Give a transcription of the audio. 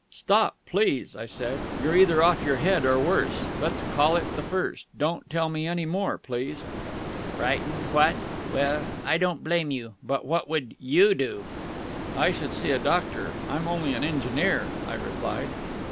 "Stop, please," I said. "You're either off your head, or worse. Let's call it the first. Don't tell me any more, please." "Frightened, what? Well, I don't blame you. But what would you do?" "I should see a doctor; I'm only an engineer," I replied.